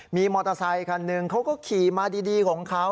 มีมอเตอร์ไซคันหนึ่งเขาก็ขี่มาดีของเขา